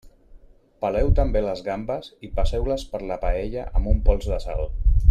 Peleu també les gambes i passeu-les per la paella amb un pols de sal.